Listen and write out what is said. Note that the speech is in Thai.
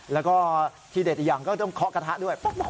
แล้วก็ที่เด็ดอีกอย่างก็ต้องเคาะกระทะด้วย